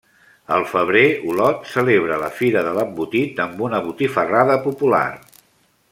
Al febrer Olot celebra la Fira de l'Embotit amb una botifarrada popular.